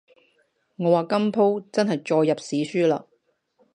我話今舖真係載入史書喇